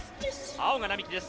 青が並木です。